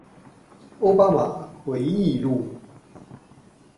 歐巴馬回憶錄